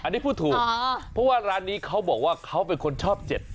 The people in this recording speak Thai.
ไม่พูดถูกเพราะว่าร้านนี้เขาบอกว่าเขาเป็นคนชอบเจ็ด